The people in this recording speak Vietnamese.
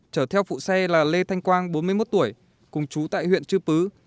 chở theo phụ xe là lê thanh quang bốn mươi một tuổi cùng chú tại huyện chư pứ